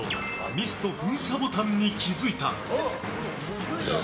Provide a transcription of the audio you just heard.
ミスト噴射ボタンに気づいた。